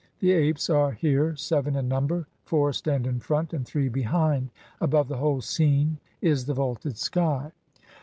The apes are here seven in number, four stand in front and three behind ; above the whole scene is the vaulted sky.